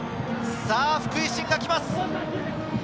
福井槙が来ます。